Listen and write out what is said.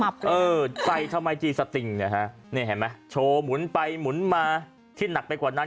เออใส่ทำไมจีสติงเนี่ยฮะนี่เห็นไหมโชว์หมุนไปหมุนมาที่หนักไปกว่านั้น